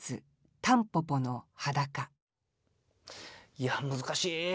いや難しい。